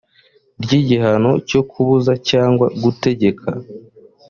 ry igihano cyo kubuza cyangwa gutegeka